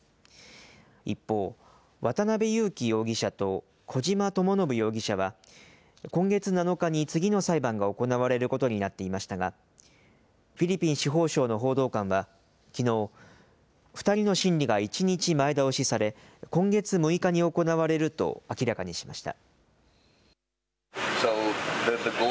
一方、渡邉優樹容疑者と小島智信容疑者は、今月７日に次の裁判が行われることになっていましたが、フィリピン司法省の報道官はきのう、２人の審理が１日前倒しされ、今月６日に行われると明らかにしました。